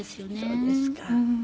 そうですか。